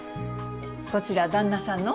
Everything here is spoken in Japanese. こちら旦那さんの？